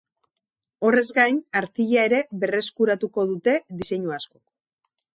Horrez gain, artilea ere berreskuratuko dute diseinu askok.